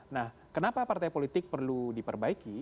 nah kenapa partai politik perlu diperbaiki